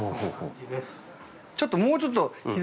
ちょっと、もうちょっとひざ。